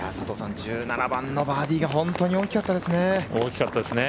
１７番のバーディーが本当に大きかったですね。